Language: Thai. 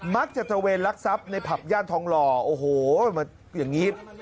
มักจะเจอเวลลักษัพในผับย่านทองหล่อโอ้โหอย่างนี้